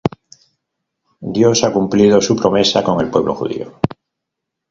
Dios ha cumplido su promesa con el pueblo judío".